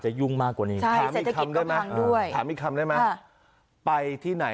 ใช่วัคซีนก็ยังไม่มี